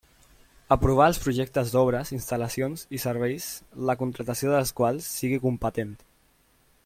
Aprovar els projectes d'obres, instal·lacions i serveis la contractació dels quals sigui competent.